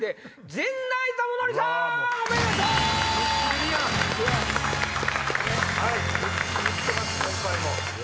今回も。